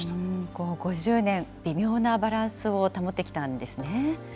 この５０年、微妙なバランスを保ってきたんですね。